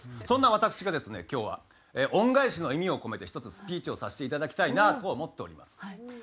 そんな私がですね今日は恩返しの意味を込めてひとつスピーチをさせて頂きたいなと思っております。